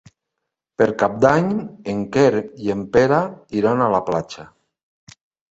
Per Cap d'Any en Quer i en Pere iran a la platja.